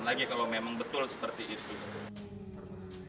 lagi kalau memang betul seperti itu